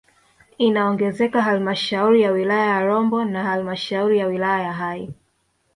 Inaongezeka halmashauri ya wilaya ya Rombo na halmashauri ya wilaya ya Hai